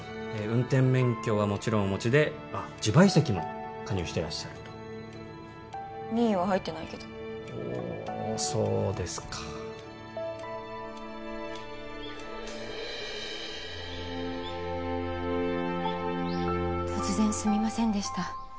運転免許はもちろんお持ちであっ自賠責も加入してらっしゃると任意は入ってないけどおおそうですか突然すみませんでした